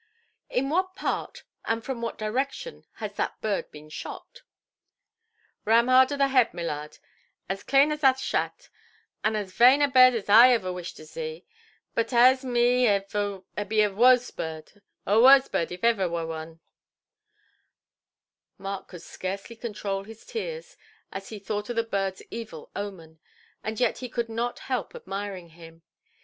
"In what part, and from what direction, has that bird been shot"? "Ramhard of the head, my lard, as clane athert shat, and as vaine a bird as iver I wish to zee. But, ahʼs me, her be a wosebird, a wosebird, if iver wur wan". Mark could scarcely control his tears, as he thought of the birdʼs evil omen, and yet he could not help admiring him.